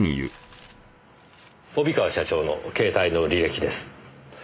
帯川社長の携帯の履歴です。